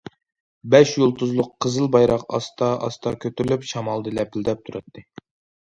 بەش يۇلتۇزلۇق قىزىل بايراق ئاستا- ئاستا كۆتۈرۈلۈپ، شامالدا لەپىلدەپ تۇراتتى.